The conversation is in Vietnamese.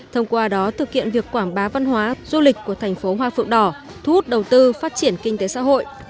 thông qua đó thực hiện việc quảng bá văn hóa du lịch của thành phố hoa phượng đỏ thu hút đầu tư phát triển kinh tế xã hội